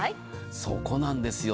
そこなんですよ。